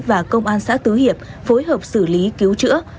và công an xã tứ hiệp phối hợp xử lý cứu chữa